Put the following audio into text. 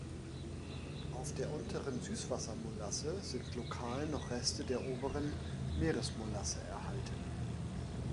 Auf der Unteren Süßwassermolasse sind lokal noch Reste der Oberen Meeresmolasse erhalten.